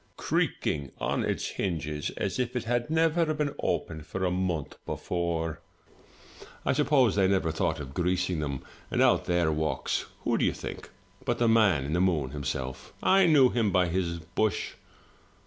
creaking on its hinges as if it had not been opened 77 MY BOOK HOUSE for a month before — I suppose they never thought of greasing them — and out there walks — who do you think but the man in the moon himself? I knew him by his bush.